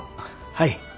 はい。